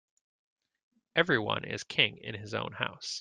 Every one is king in his own house.